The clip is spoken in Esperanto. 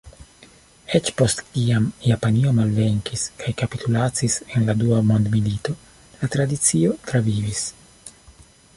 Eĉ post kiam Japanio malvenkis kaj kapitulacis en la Dua Mondmilito, la tradicio travivis.